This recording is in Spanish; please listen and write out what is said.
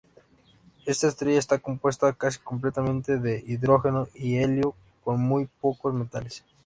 Esta estrella está compuesta casi completamente de hidrógeno y helio, con muy pocos metales.